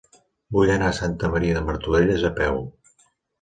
Vull anar a Santa Maria de Martorelles a peu.